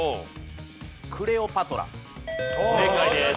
正解です。